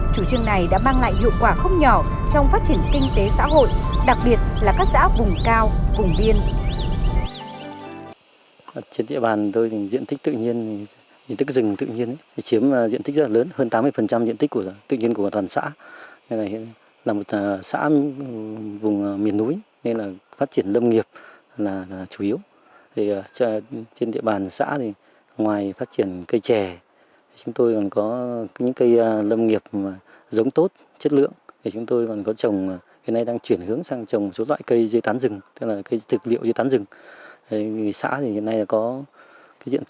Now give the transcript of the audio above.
chủ trương này đã mang lại hiệu quả không nhỏ trong phát triển kinh tế xã hội đặc biệt là các xã vùng cao vùng biên